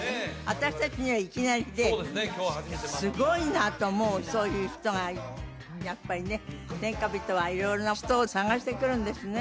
私達にはいきなりですごいなと思うそういう人がやっぱりね天下人は色々な人を探してくるんですね